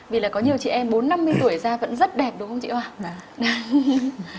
vì là có nhiều chị em bốn năm mươi tuổi ra vẫn rất đẹp đúng không chị oa